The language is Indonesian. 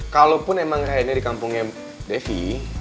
kalaupun emang kayaknya di kampungnya devi